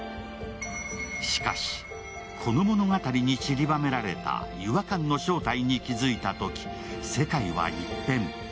しかし、この物語にちりばめられた違和感の正体に気づいたとき、世界は一変。